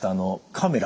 カメラ